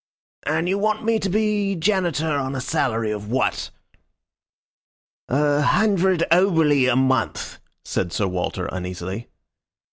"And you want me to be Janitor on a salary of what?" "A hundred oboli a month," said Sir Walter, uneasily.